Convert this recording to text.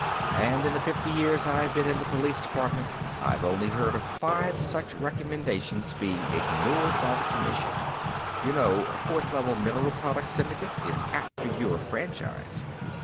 "And in the fifty years that I've been in the Police Department, I've only heard of five such recommendations being ignored by the commission. You know, Fourth Level Mineral Products Syndicate is after your franchise.